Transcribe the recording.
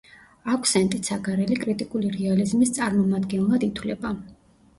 აქვსენტი ცაგარელი კრიტიკული რეალიზმის წარმომადგენლად ითვლება.